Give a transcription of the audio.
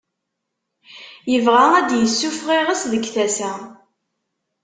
Yebɣa ad d-yessufeɣ iɣes deg tasa.